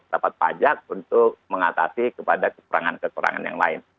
dapat pajak untuk mengatasi kepada kekurangan kekurangan yang lain